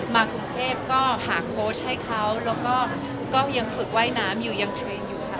มากรุงเทพก็หาโค้ชให้เขาแล้วก็ก็ยังฝึกว่ายน้ำอยู่ยังเทรนด์อยู่ค่ะ